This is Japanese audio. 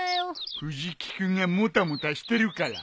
藤木君がもたもたしてるから。